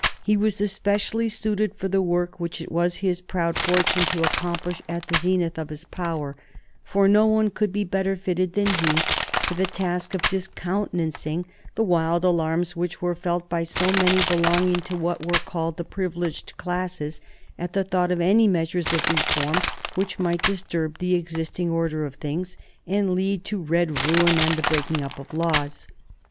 He was especially suited for the work which it was his proud fortune to accomplish at the zenith of his power, for no one could be better fitted than he for the task of discountenancing the wild alarms which were felt by so many belonging to what were called the privileged classes at the thought of any measures of reform which might disturb the existing order of things, and lead to red ruin and the breaking up of laws.